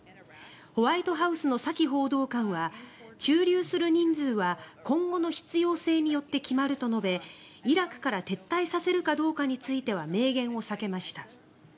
ホワイトハウスのサキ報道官は駐留する人数は今後の必要性によって決まると述べイラクから撤退させるかどうかについては明言を避けました。